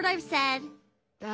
どう？